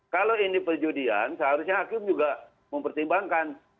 kalau ini perjudian seharusnya hakim juga mempertimbangkan